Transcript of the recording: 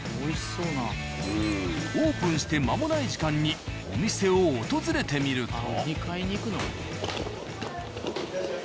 オープンして間もない時間にお店を訪れてみると。